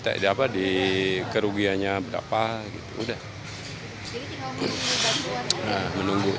jadi apa di kerugiannya berapa gitu udah